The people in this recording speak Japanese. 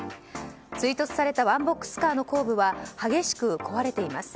追突されたワンボックスカーの後部は激しく壊れています。